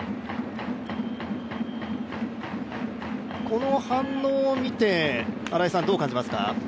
この反応を見てどう感じますか？